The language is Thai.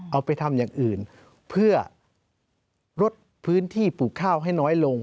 เอาไปทำอย่างอื่นเพื่อลดพื้นที่ปลูกข้าวให้น้อยลง